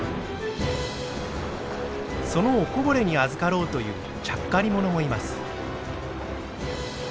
そのおこぼれにあずかろうというちゃっかりものもいます。